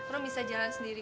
rom bisa jalan sendiri